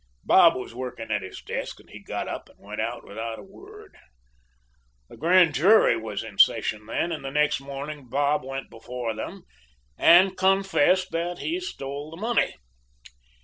Bob was working at his desk, and he got up and went out without a word. The grand jury was in session then, and the next morning Bob went before them and confessed that he stole the money.